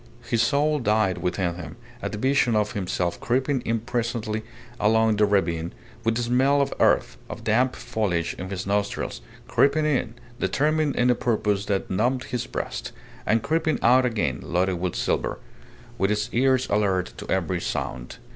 His soul died within him at the vision of himself creeping in presently along the ravine, with the smell of earth, of damp foliage in his nostrils creeping in, determined in a purpose that numbed his breast, and creeping out again loaded with silver, with his ears alert to every sound.